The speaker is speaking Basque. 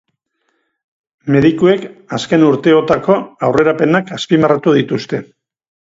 Medikuek azken urteotako aurrerapenak azpimarratu dituzte.